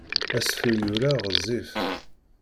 Asefru yura ɣezzif.